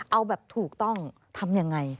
เอาแบบถูกต้องทำยังไง